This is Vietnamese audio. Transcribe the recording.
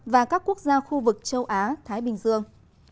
và các quốc gia khu vực châu á thái bình dương